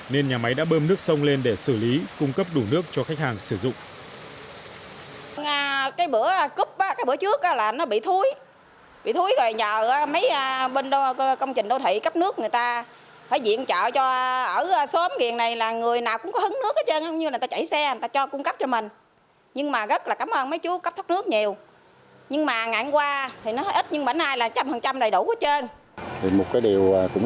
nên nhà máy đã bơm nước sông lên để xử lý cung cấp đủ nước cho khách hàng sử dụng